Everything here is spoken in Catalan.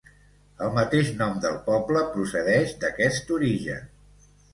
El mateix nom del poble procedeix d'aquest origen.